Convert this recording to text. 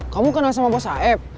kamu kenal sama bos aeb